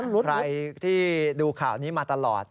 ใครที่ดูข่าวนี้มาตลอด